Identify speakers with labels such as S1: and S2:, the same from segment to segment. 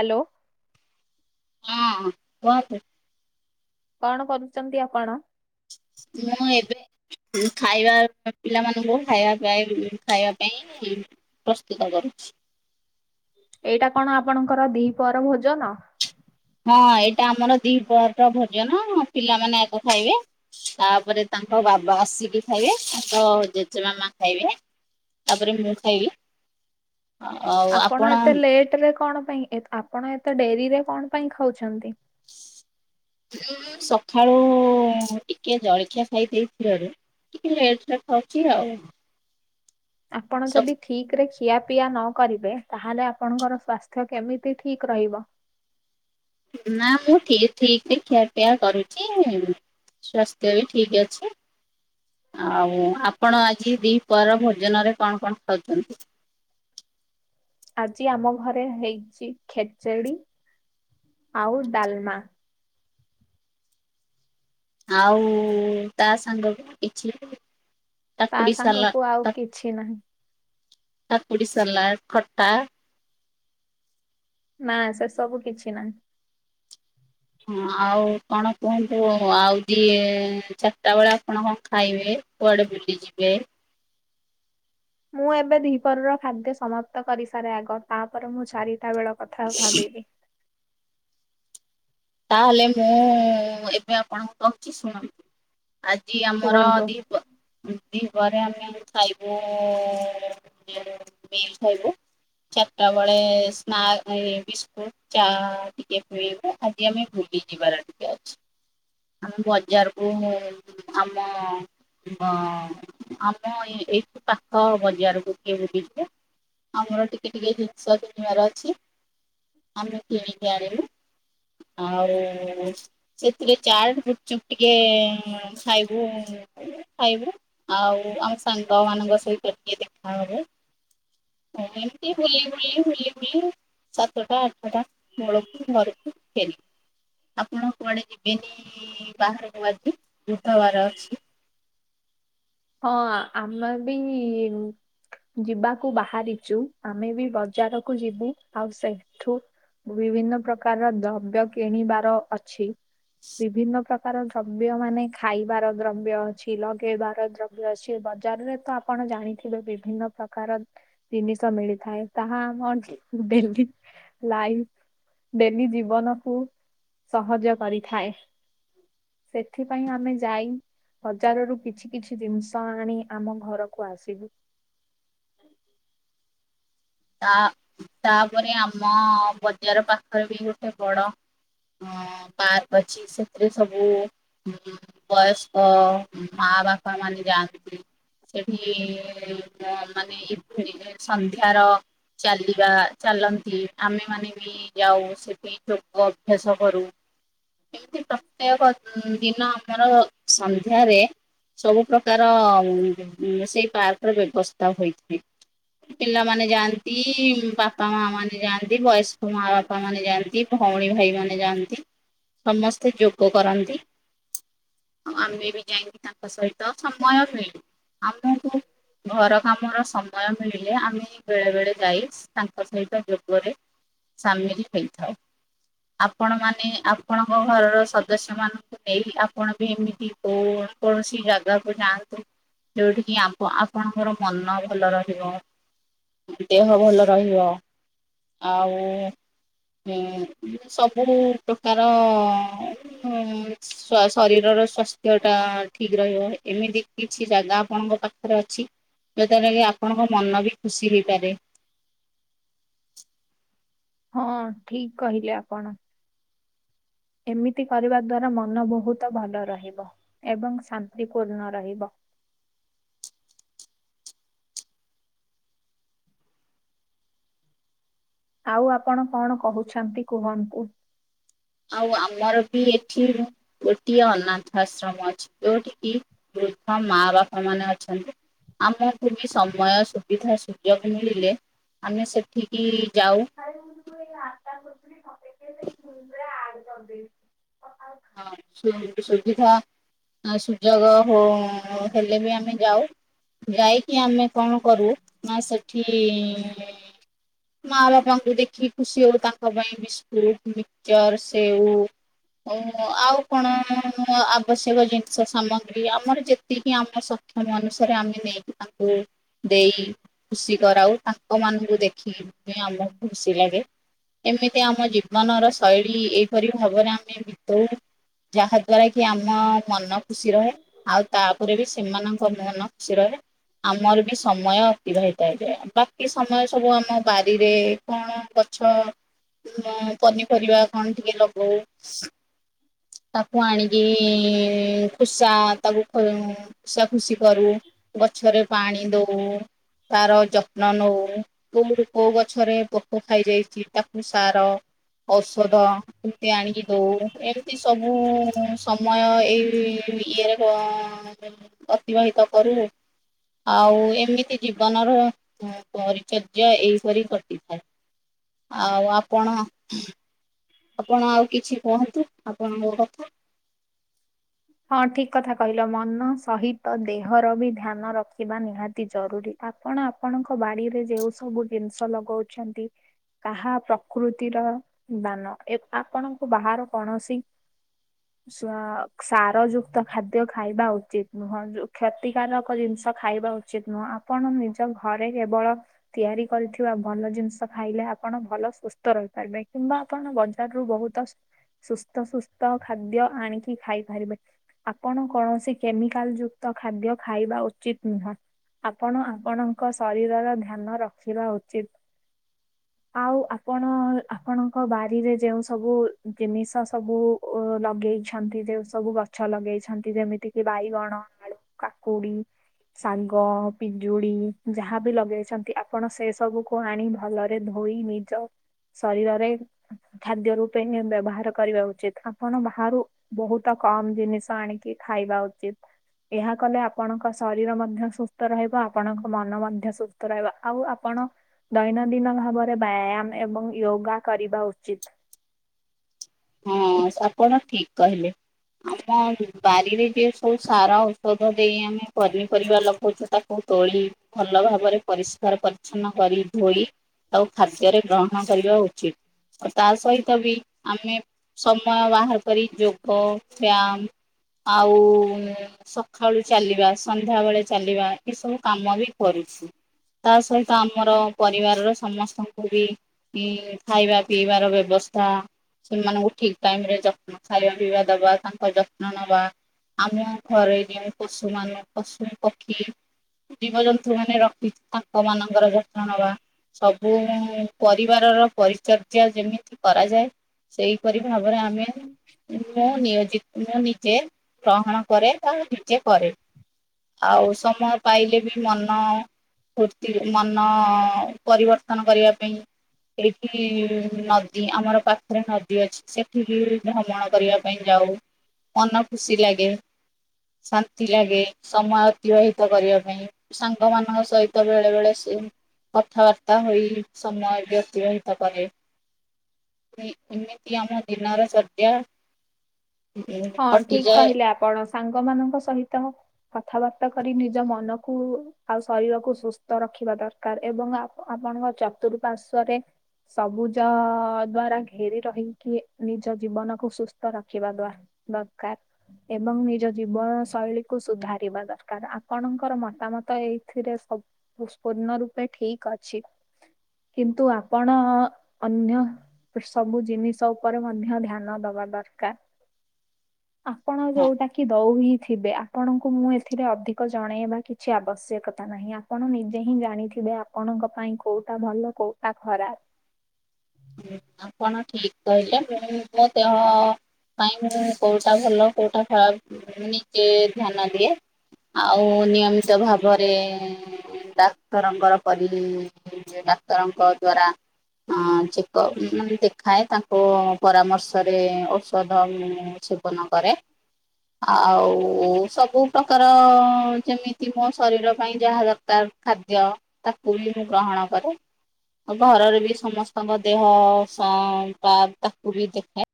S1: Hello.
S2: ହଁ, କହନ୍ତୁ।
S1: କଣ କରୁଛନ୍ତି ଆପଣ?
S2: ମୁଁ ଏବେ ଖାଇବା ପିଲାମାନଙ୍କୁ ଖାଇବା ପାଇଁଦେବି। ଖାଇବା ପାଇଁ ପ୍ରସ୍ତୁତ କରୁଛି।
S1: ଏଇଟା କଣ ଆପଣଙ୍କର ଦିପହର ଭୋଜନ।
S2: ହଁ ଏଇଟା ଆମର ଦିପହର ର ଭୋଜନ ପିଲାମାନେ ଆଗେ ଖାଇବେ। ତାପରେ ତାଙ୍କ ବାବା ଆସିକି ଖାଇବେ ତାଙ୍କ ଜେଜେ ମାମା ଖାଇବେ। ତାପରେ ମୁ ଖାଇବି।
S1: ଆପଣ ଏତେ ଲେଟ ରେ କଣ ପାଇଁ ଏତ୍ ଆପଣ ଏତେ ଡେରିରେ କଣ ପାଇଁ ଖାଉଛନ୍ତି।
S2: ମୁଁ ସକାଳୁ ଟିକେ ଜଳଖିଆ ଖାଇ ଦେଇ ଥିବାରୁ। ଟିକେ ଲେଟ୍ ରେ ଖାଉଛି ଆଉ।
S1: ଆପଣ ଯଦି
S2: ସ-
S1: ଠିକ୍। ଠିକ ରେ ଖିଆ ପିଆ ନ କରିବେ ତାହେଲେ ଆପଣଙ୍କର ସ୍ୱାସ୍ଥ୍ୟ କେମିତି ଠିକ ରହିବ।
S2: ନା ମୁଁ ଠିକ୍ ଠିକ୍ ରେ ଖିଆ ପିଆ କରୁଛି। ସ୍ୱାସ୍ଥ୍ୟ ବି ଠିକ ଅଛି। ଆଉ ଆପଣ ଆଜି ଦିପର ଭୋଜନରେ କଣ କଣ ଖାଉଛନ୍ତି।
S1: ଆଜି ଆମ ଘରେ ହେଇଛି ଖେଚେଡି ଆଉ ଡାଲମା।
S2: ଆଉ ତା ସାଙ୍ଗକୁ କିଛି।
S1: ତା
S2: କାକୁଡି
S1: ସାଙ୍ଗ
S2: ସାଲାଡ
S1: କୁ ଆଉ
S2: କା
S1: କିଛି ନାହିଁ।
S2: କାକୁଡି ସାଲଡ଼ ଖଟା।
S1: ନା ସେ ସବୁ କିଛି ନାହିଁ।
S2: ହଁ, ଆଉ କଣ କୁହନ୍ତୁ ଆଉ ଦି ଚାରିଟା ବେଳେ ଆପଣ କଣ ଖାଇବେ। କୁଆଡେ ବୁଲି ଯିବେ।
S1: ମୁଁ ଏବେ ଦିହିପର ର ଖାଦ୍ୟ ସମାପ୍ତ କରିସାରେ ଆଗ ତାପରେ ମୁଁ ଚାରି ରିଟା ବେଳ କଥା ଆଉ ଭାବିବି।
S2: ତାହେଲେ ମୁଁ ଏବେ ଆପଣଙ୍କୁ କହୁଛି ଶୁଣ। ଆଜି ଆମର
S1: କୁହନ୍ତୁ।
S2: ଦିହି ପ ଦିହିପହରେ ରେ ଆମେ ଖାଇବୁ ମିଲ ଖାଇବୁ। ଚାରିଟା ବେଳେ ସ୍ନାକ ରେ ବିସ୍କୁଟ ଚା ଟିକେ ପିଇବୁ। ଆଜି ଆମେ ବୁଲି ଯିବାର ଟିକେ ଅଛି। ଆମେ ବଜାରକୁ ଆମ। ହଁ ଆମ ଏଇଠୁ ପାଖ ବଜାରକୁ ଟିକେ ବୁଲି ଯିବୁ। ଆମର ଟିକେ ଟିକେ ଜିନିଷ କିଣିବାର ଅଛି ଆମେ କିଣିକି ଆଣିବୁ। ଆଉ ସେଥିରେ ଚାଟ ଗୁପଚୁପ ଟିକେ ଏଁ ଖାଇବୁ। ଖାଇବୁ ଆଉ ଆମ ସାଙ୍ଗ ମାନଙ୍କ ସହିତ ଟିକେ ଦେଖା ହବ। ଆଉ ଏମିତି ବୁଲି ବୁଲି ବୁଲି ବୁଲି। ସାତଟା ଆଠଟା ବେଳକୁ ଘରକୁ ଫେରିବୁ। ଆପଣ କୁଆଡେ ଯିବେନି ବାହାରକୁ ଆଜି ବୁଧବାର ଅଛି।
S1: ହଁ ଆ ଆମେ ବି। ଯିବାକୁ ବାହାରିଛୁ ଆମେ ବି ବଜାରକୁ ଯିବୁ ଆଉ ସେଠୁ ବିଭିନ୍ନ ପ୍ରକାରର ଦ୍ରବ୍ୟ କିଣିବାର ଅଛି। ବିଭିନ୍ନ ପ୍ରକାର ଦ୍ରବ୍ୟ ମାନେ ଖାଇବାର ଦ୍ରବ୍ୟ ଅଛି। ଲଗେଇବାର ଦ୍ରବ୍ୟ ଅଛି ବଜାରରେ ତ ଆପଣ ଜାଣିଥିବେ ବିଭିନ୍ନ ପ୍ରକାର ତିନିଷ ମିଳିଥାଏ ତାହା ଆମ ଡେ ଲାଇ ଡେଲି ଜୀବନକୁୁ ସହଜ କରିଥାଏ। ସେଥିପାଇଁ ଆମେ ଯାଇ ବଜାରରୁ କିଛି କିଛି କିଛି ଜିନିଷ ଆଣି ଆମ ଘରକୁ ଆସିବୁ।
S2: ତା ତାପରେ ଆମ ବଜାର ପାଖରେ ବି ଗୋଟେ ବଡ ଅ ପାର୍କ ଅଛି ସେଥିରେ ସବୁ ବୟସ୍କ ମା ବାପା ମାନେ ଯାଆନ୍ତି ସେଠି ମା ନେ [unintelligible] ସନ୍ଧ୍ୟାର ଚାଲିବା ଚାଲନ୍ତି ଆମେ ମାନେ ବି ଯାଉ ସେଠି ଅଭ୍ୟାସ କରୁ ଏମିତି ପ୍ରତ୍ୟେକ ଦିନ ଆମର ସନ୍ଧ୍ୟାରେ ସବୁ ପ୍ର ସେଇ ପାର୍କ ର ବ୍ୟବସ୍ଥା ହୋଇଥାଏ ପିଲାମାନେ ଯାଆନ୍ତି। କି ବାପା ମା ମାନେ ଯାଆନ୍ତି। ବୟସ୍କ ମା ବାପା ମାନେ ଯାଆନ୍ତି। ଭଉଣୀ ଭାଇ ମାନେ ଯାଆନ୍ତି। ସମସ୍ତେ ଯୋଗ କରନ୍ତି ଆଉ ଆମେ ବି ଯାଇକ ତାଙ୍କ ସହିତ ସମୟ ମିଳେ। ଆମକୁ ଘର କାମର ସମୟ ମିଳିଲେ ଆମେ ବେଳେ ବେଳେ ଯାଇ ତାଙ୍କ ସହିତ ଯୋଗରେ ସାମିଲ ହେଇଥାଏ। ଆପଣ ମାନେ ଆପଣଙ୍କ ଘରର ସଦସ୍ୟ ମାନ ନେଇ ଆପଣ ବି ଏମିତି କ କୌଣସି ଜାଗାକୁ ଯାଆନ୍ତୁ। ଯୋଉଠ କିି ଆପଣଙ୍କର ମନ ଭଲ ରହିବ। ଦେହ ଭଲ ରହିବ ଆଉ ହୁ। ସବୁ ପ୍ରକାର ହୁ ଶରୀରର ସ୍ଵାସ୍ଥ୍ୟ ଟା ଠିକ ରହିବ ଏମିତି କି କିଛି ଜାଗା ଆପଣଙ୍କ ପାଖରେ ଅଛି ଯୋଉଟାକି କି ଆପଣଙ୍କ ମନ ବି ଖୁସି ହେଇପାରେ। [inaudible]
S1: ହଁ ଠିକ କହିଲେ ଆପଣ। ଏମିତି କରିବା ଦ୍ଵାରା ମନ ବହୁତ ଭଲ ରହିବ ଏବଂ ଶାନ୍ତିପୂର୍ଣ ରହିବ। ଆଉ ଆପଣ କଣ କହୁଛନ୍ତି କୁହନ୍ତୁ।
S2: ଆଉ ଆମର ବି ଏଠି ଗୋଟିଏ ଅନାଥ ଆଶ୍ରମ ଅଛି। ଯୋଉଠିକି ବୃଦ୍ଧ ମା ବାପା ମାନେ ଅଛନ୍ତି। ଆମକୁ ବି ସମୟ ସୁବିଧା ସୁଯୋଗ ମିଳିଲେ ଆମେ ସେଠିକି ଯାଉ।
S1: ଆରେ ମୁଁ ତ ଏଇ ରାସ୍ କରୁଥିଲିପ ସେଇ ଆଡ କରିଦେଇି।
S2: ହଁ ସ ସବଜି ଖା ସୁଯୋଗ ହ ହେଲେ ବି ଆମେ ଯାଉ ଯାଇକି ଆମେ କଣ କରୁ ନା ସେଠି ମା ବାପାଙ୍କୁ ଦେଖିକି ଖୁସି ହଉ ତାଙ୍କ ପାଇଁ ବିସ୍କୁଟ ମିକଚର ସେଉ ଓ ଆଉ କଣ ଆବଶ୍ୟକ ଜିନିଷ ସାମଗ୍ରୀ ଆମର ଯେତିକି ଆମ ମ ଅନୁସାରେ ଆମେ ନେଇକି ତାଙ୍କୁ ଦେଇ ଖୁସି କରାଉ ତା ଲୋକ ମାନଙ୍କୁ ଦେଖିକ ଆମକୁ ଖୁସି ଲାଗେ। ଏମିତି ଆମ ଜୀବନର ଶୈଳୀ ଏଇପରି ଭାବରେ ଆମେ ବିତଉ ଯାହା ଦ୍ଵାରା କି ଆମ ମନ ଖୁସି ରହେ। ଆଉ ତାପରେ ବି ସେମାନଙ୍କ ମନ ଖୁସି ରହେ। ଆମର ବି ସମୟ ଅତିବାହିତ ହେଥାଏ ବାକି ସମୟ ସବୁ ଆମ ବାରିରେ କଣ ଗଛ ପନିପରିବା କଣ ଟିକେ ଲଗଉ ତାକୁ ଆଣିକି ପୁଷା ତାକୁ ଖ ପଷା ଖୁସି କରୁ ଗଛରେ ପାଣି ଦଉ ତାର ଯତ୍ନ ନଉ କୋଉଠ କୋଉ ଗଛରେ ପୋକ ଖାଇ ଯାଇଛି ତାକୁ ସାର ଔଷଧ ଏମିତି ଆଣିକି ଦଉ ଏମତି ଏମିତି ସବୁ ସମୟ ଏଇ ଇଏରେ ଅତିବାହିତ କରୁ। ଆଉ ଏମିତି ଜୀବନ ର ପରିଚର୍ଯଯ୍ୟ ଏଇପରି କ ଥାଏ ଆଉ ଆପଣ ଆପଣ ଆଉ କିଛି କୁହନ୍ତୁ ଆପଣଙ୍କ କଥା?
S1: ହଁ ଠିକ କଥା କହିଲ ମନ ସହିତ ଦେହର ବି ଧ୍ୟାନ ରଖିବା ନିହାତି ଜରୁରୀ। ଆପଣ ଆପଣଙ୍କ ବାଡିରେ ଯୋଉ ସବୁ ଜିନିଷ ଲଗଉଛନ୍ତି ତାହା ପ୍ରକୃତିର ଦାନ ଆପଣଙ୍କୁ ବାହାର କୌଣସି ଶୁଆ [unintelligible] ସାର ଯୁକ୍ତ ଖାଦ୍ୟ ଖାଇବା ଉଚିତ ନୁହଁ। କ୍ଷତିକାରକ ଜିନିଷ ଖାଇବା ଉଚିତ ନୁହଁ ଆପଣ ନିଜ ଘରେ କେବଳ ତିଆରି କରିଥିବା ଭଲ ଜିନିଷ ଖାଇଲେ ଆପଣ ଭଲ ସୁସ୍ଥ ରହିପାରିବେ କିମ୍ବା ଆପଣ ବଜାର ରୁ ବହୁତ ସୁସ୍ଥ ସୁସ୍ଥ ଖାଦ୍ୟ ଆଣିକି ଖାଇ ପାରିବେ। ଆପଣ କୌଣସି କେମିକାଲ ଯୁକ୍ତ ଖାଦ୍ୟ ଖାଇବା ଉଚିତ ନୁହଁ। ଆପଣ ଆପଣଙ୍କ ଶରୀରର ଧ୍ୟାନ ରଖିବା ଉଚିତ।
S2: ହ [inaudible]
S1: ଆଉ ଆପଣ ଆପଣଙ୍କ ବାରିରେ ଯେଉଁ ସବୁ ଜିନିଷ ସବୁ ଓ ଲଗେଇଛନ୍ତି ଯୋ ସବୁ ଗଛ ଲଗେଇଛନ୍ତି ଯେମିତି କିି ବାଇଗଣ, ଆଳୁ, କାକୁଡି ଶାଗ, ପିଜୁଳି ଯାହାବି ଲଗେଇଛନ୍ତି ଆପଣ ସେ ସବୁକୁୁ ଆଣି ଭଲରେ ରେ ଧୋଇ ନିଜ [unintelligible] ଶରୀରରେ ଖାଦ୍ୟ ରୂପେ ବ୍ୟବହାର କରିବା ଉଚିତ। ଆପଣ ବାହାରୁ ବହୁତ ତ କମ ଜିନିଷ ଆଣିକି ଖାଇବା ଉଚିତ। ଏହା କଲେ ଆପଣଙ୍କ ଶରୀର ମଧ୍ୟ ସୁସ୍ଥ ରହିବ ଆପଣଙ୍କ ମନ ମଧ୍ୟ ସୁସ୍ଥ ରହିବ ଆଉ ଆପଣ ଦୈନନ୍ଦିନ ଭାବରେ ବ୍ୟାୟାମ ଏବଂ ୟୋଗା କରିବା ଉଚିତ।
S2: ହଁ ଆପଣ ଠିକ କହିଲେ ଆମ ବାରିରେ ଯି ସବୁ ସାର ଔଷଧ ଦେଇ ଆମେ ପନିପରିବା ଲଗଉଛୁ ତାକୁ ତୋଳି ଭଲ ଭାବରେ ପରିଷ୍କାର ପରିଚ୍ଛନ୍ନ କରି ଧୋଇ ଆଉ ଖାଦ୍ୟରେ ଗ୍ରହଣ କରିବା ଉଚିତ ଆଉ ତା ସହିତ ବି ଆମେ ସମୟ ବାହାର କରି ଯୋଗ ବ୍ୟାୟାମ ଆଉ ସକାଳୁ ଚାଲିବା ସନ୍ଧ୍ୟା ବେଳେ ଚାଲିବା ଏ ସବୁ କାମ ବି କରିଛି। ତା ସହିତ ଆମର ପରିବାରର ସମସ୍ତଙ୍କୁ ବି ଇ ଖାଇବା ପିଇବାର ବ୍ୟବସ୍ଥା ସେମାନଙ୍କୁ ଠିକ ଟାଇମ ରେ ଯତ୍ନ ଖାଇବା ପିଇବା ଦବା ତାଙ୍କର ଯତ୍ନ ନବା। ଆମେ ଘରେ ଯଉ ପଶୁମାନେ ପଶୁ ପକ୍ଷୀ ଜୀବଜନ୍ତୁ ମାନେ ରଖି ତାଙ୍କ ମାନଙ୍କର ଯତ୍ନ ନବା। ସବୁ ପରିବାରର ପରିଚର୍ଯ୍ୟା ଯେମିତି କରାଯାଏ ସେଇପରି ଭାବରେ ଆମେ ମୁଁ ନିୟୋଜିତ ମୁଁ ନିଜେ ଗ୍ରହଣ କରେ ବା ନିଜେ କରେ। ଆଉ ସମୟ ପାଇଲେ ବି ମନା ଫୁର୍ତ୍ତି ମନ ପରିବର୍ତ୍ତନ କରିବା ପାଇଁ। ଏଇଠି ନଦୀ ଆମର ପା ରେ ନଦୀ ଅଛି ସେଠିକି ଭ୍ରମଣ କରିବା ପାଇଁ ଯାଉ ମନ ଖୁସି ଲାଗେ। ଶାନ୍ତି ଲାଗେ ସମୟ ଅତିବାହିତ କରିବା ପାଇଁ, ସାଙ୍ଗମାନଙ୍କ ସହିତ ବେଳେ ବେଳେ ସେ କଥାବାର୍ତ୍ତା ହୋଇ ସମୟ ଅତିବାହିତ କରେ। ଏମିତି ଆମର ଦିନର ଶଯ୍ୟା କଟିଯାଏ।
S1: କଣ ସାଙ୍ଗ ମାନଙ୍କ ସହିତ କଥାବାର୍ତ୍ତା କରି ନିଜ ମନକୁ ଆଉ ଶରୀରକୁ ସୁସ୍ଥ ରଖିବା ଦରକାର ଏବଂ ଆପଣଙ୍କ ଚତୁଃପାର୍ଶ୍ଵରେ ସବୁଜ ଦ୍ଵାରା ଘେରି ରହିକି ନିଜ ଜୀବନକୁ ସୁସ୍ଥ ରଖିବା ଦ୍ଵା ଦରକାର। ଏବଂ ନିଜ ଜୀବନ ଶୈଳୀକୁ ସୁଧାରିବା ଦରକାର ଆପଣଙ୍କର ମତାମତ ଏଇଥିରେ ସବ ପୂର୍ଣ୍ଣ ରୂପେ ଠିକ ଅଛି କିନ୍ତୁ ଆପଣ ଅନ୍ୟ ସବୁ ଜିନିଷ ଉପରେ ମଧ୍ୟ ଧ୍ୟାନ ଦବା ଦରକାର। ଆପଣ
S2: ହଁ
S1: ଯୋଉଟା କି ଦଉହି ଥିବେ ଆପଣଙ୍କୁ ମୁଁ ଏଥିରେ ଅଧିକ ଜଣେଇବା କି କିଛି ଆବଶ୍ୟକତା ନାହିଁ, ଆପଣ ନିଜେ ହିଁ ଜାଣିଥିବେ ଆପଣଙ୍କ ପାଇଁ କୋଉଟା ଭଲ କୋଉଟା ଖରାପ।
S2: ଆପଣ ଠିକ କହିଲେ [unintelligible] ମୋ ଦେହ ପାଇଁ କୋଉଟା ଭଲ କୋଉଟା, ନିଜେ ଧ୍ୟାନ ଦିଏ। ଆଉ ନିୟମିତ ଭାବରେ ଡାକ୍ତରଙ୍କର ପରି ଡାକ୍ତରଙ୍କ ଦ୍ଵାରା ଆଁ ଚି ଦେଖାଏ ତାଙ୍କୁ ପରାମର୍ଶରେ ଔଷଧ ସେବନ କରେ। ଆଉ ସବୁ ପ୍ରକାର ଯେମିତି ମୋ ଶରୀର ପାଇଁ ଯାହା ଦରକାର ଖାଦ୍ୟ ତାକୁ ବି ମୁଁ ଗ୍ରହଣ କରେ। ଆ ଘରର ବି ସମସ୍ତଙ୍କ ଦେହ ପା ତାକୁ ବି ଦେଖେ।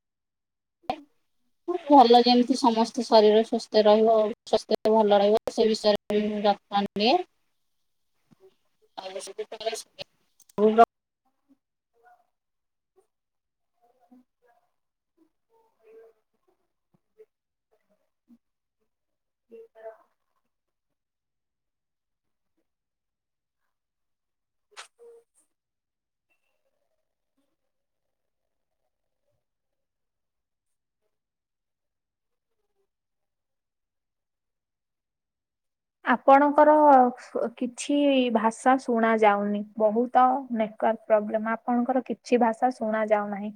S1: ହୁଁ।
S2: ଭଲ ଯେମିତି ସମସ୍ତେ ଶରୀର ସୁସ୍ଥ ରହିବ ସ୍ୱାସ୍ଥ୍ୟ ଭଲ ରହିବ ସେ ବିଷୟରେ ଯତ୍ନ ନିଏ। [unintelligible]
S1: [unintelligible]
S2: [inaudible] [inaudible]
S1: ଆପଣଙ୍କର କିଛି ଭାଷା ଶୁଣା ଯାଉନି, ବହୁତ୍ ନେ କର୍ଡ ପ୍ରୋବ୍ଲମ୍ ଆପଣଙ୍କର କିଛି ଭାଷା ଶୁଣା ଯାଉ ନାହିଁ।